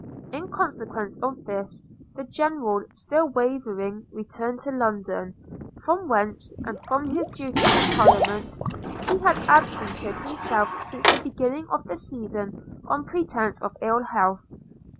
In consequence of this, the General, still wavering, returned to London, from whence, and from his duty in Parliament, he had absented himself since the beginning of the session on pretence of ill health.